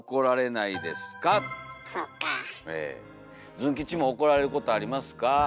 ズン吉も怒られることありますか？